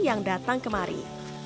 yang datang kemari